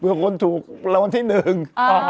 เพื่อคนถูกรางวัลที่หนึ่ง